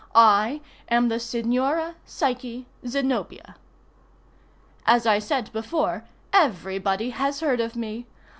I am the Signora Psyche Zenobia. As I said before, everybody has heard of me.